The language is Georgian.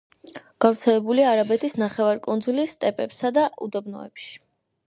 გავრცელებულია არაბეთის ნახევარკუნძულის სტეპებსა და უდაბნოებში.